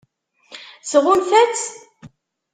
Tɣunfa-tt?